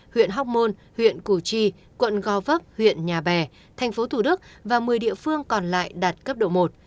huyện hóc môn huyện củ chi quận gò vấp huyện nhà bè tp tq và một mươi địa phương còn lại đạt cấp độ một